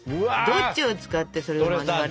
どっちを使ってそれを免れる？